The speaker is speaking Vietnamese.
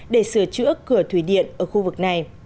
để sửa chữa cửa thủy điện ở khu vực này